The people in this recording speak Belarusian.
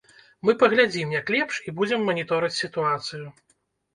Мы паглядзім, як лепш, і будзем маніторыць сітуацыю.